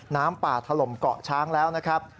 น้ำป่าถล่มเกาะช้างแล้วนะครับ